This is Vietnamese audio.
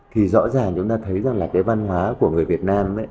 thì rõ ràng chúng ta thấy rằng là cái văn hóa của người việt nam